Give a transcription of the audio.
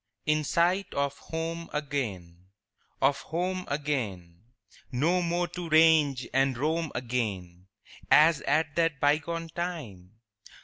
In sight of home again, Of home again; No more to range and roam again As at that bygone time?